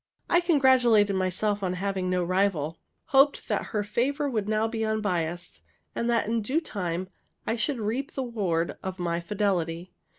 I congratulated myself on having no rival, hoped that her favor would now be unbiased, and that in due time I should reap the reward of my fidelity.